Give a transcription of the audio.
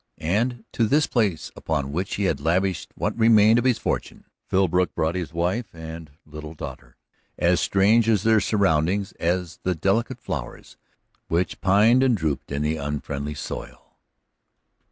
And to this place, upon which he had lavished what remained of his fortune, Philbrook brought his wife and little daughter, as strange to their surroundings as the delicate flowers which pined and drooped in that unfriendly soil.